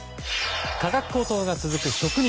価格高騰が続く食肉。